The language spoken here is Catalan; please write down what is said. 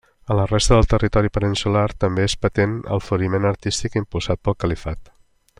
En la resta del territori peninsular també és patent el floriment artístic impulsat pel califat.